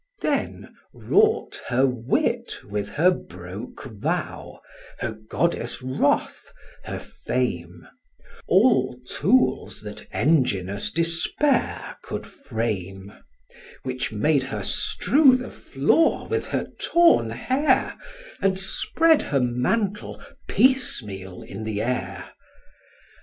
Then wrought her wit With her broke vow, her goddess' wrath, her fame, All tools that enginous despair could frame: Which made her strew the floor with her torn hair, And spread her mantle piece meal in the air.